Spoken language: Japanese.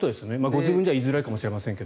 ご自分では言いづらいかもしれませんが。